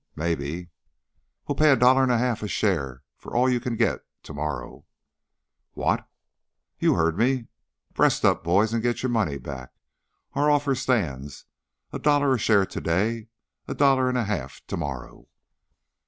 "Maybe." "We'll pay a dollar and a half a share for all you can get, to morrow." "What?" "You heard me. Breast up, boys, and get your money back. Our offer stands a dollar a share to day, a dollar and a half to morrow."